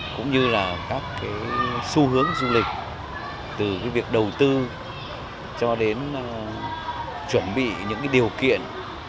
cũng như là các xu hướng du lịch từ việc đầu tư cho đến chuẩn bị những điều kiện